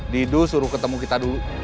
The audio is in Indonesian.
didu suruh ketemu kita dulu